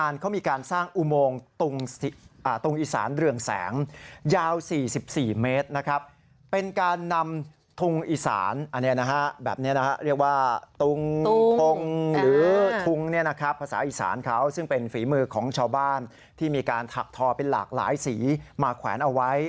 และเชอบบ้านที่มีการทับทอเป็นหลากหลายสีมาแขวนเอาไว้